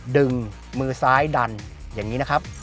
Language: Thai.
ดึงมือซ้ายดันอย่างนี้นะครับ